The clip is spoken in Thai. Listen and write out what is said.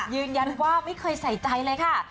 ยืนยันว่าไม่เคยใส่ใจเลยค่ะ